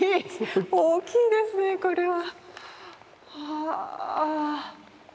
大きいですねこれは。はあ。